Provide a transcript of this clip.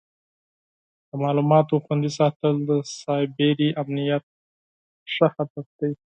د معلوماتو خوندي ساتل د سایبري امنیت مهم هدف دی.